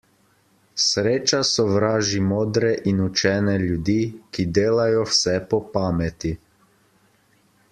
Sreča sovraži modre in učene ljudi, ki delajo vse po pameti.